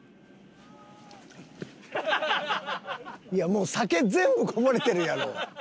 いやもう酒全部こぼれてるやろ。